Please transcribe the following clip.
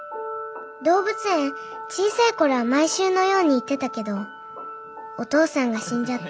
動物園小さい頃は毎週のように行ってたけどお父さんが死んじゃって。